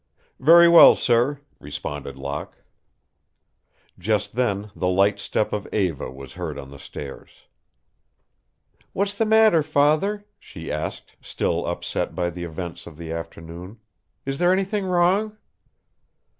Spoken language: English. "Very well, sir," responded Locke. Just then the light step of Eva was heard on the stairs. "What's the matter, father?" she asked, still upset by the events of the afternoon. "Is there anything wrong?"